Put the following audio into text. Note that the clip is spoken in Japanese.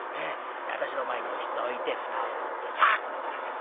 私の前におひつを置いて蓋を取ってさあこれからだ。